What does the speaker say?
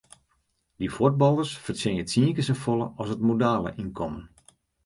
Dy fuotballers fertsjinje tsien kear safolle as it modale ynkommen.